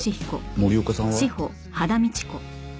森岡さんは？